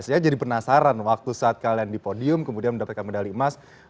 saya jadi penasaran waktu saat kalian di podium kemudian mendapatkan medali emas